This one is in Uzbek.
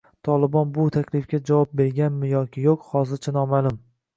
“Tolibon” bu taklifga javob berganmi yoki yo‘q, hozircha noma’lum